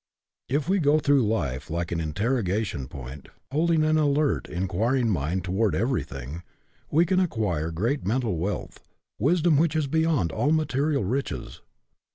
If we go through life like an interrogation point, holding an alert, inquiring mind toward everything, we can acquire great mental wealth, wisdom which is beyond all material riches.